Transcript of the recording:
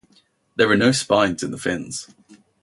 There are no spines in the fins.